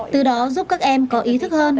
từ đó giúp các em có ý thức hơn